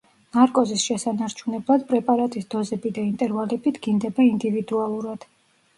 ნარკოზის შესანარჩუნებლად პრეპარატის დოზები და ინტერვალები დგინდება ინდივიდუალურად.